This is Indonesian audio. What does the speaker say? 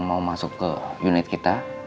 mau masuk ke unit kita